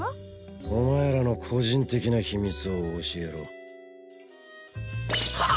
お前らの個人的な秘密を教えろはあ！？